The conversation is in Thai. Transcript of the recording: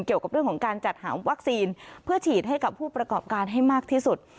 เกี่ยวกับเรื่องของการจัดหาวัคซีนเพื่อฉีดให้กับผู้ประกอบการให้มากที่สุด